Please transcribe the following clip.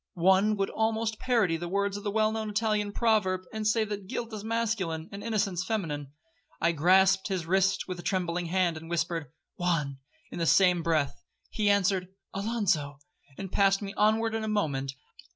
One would almost parody the words of the well known Italian proverb, and say that guilt is masculine, and innocence feminine. I grasped his wrist with a trembling hand, and whispered—'Juan,' in the same breath. He answered—'Alonzo,' and passed me onward in a moment.